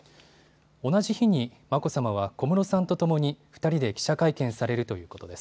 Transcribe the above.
同じ日に眞子さまは小室さんとともに２人で記者会見されるということです。